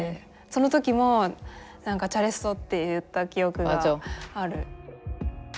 その時も「チャレッソ」って言った記憶がある。